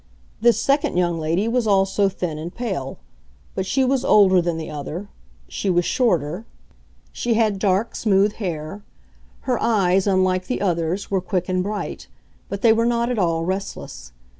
This second young lady was also thin and pale; but she was older than the other; she was shorter; she had dark, smooth hair. Her eyes, unlike the other's, were quick and bright; but they were not at all restless.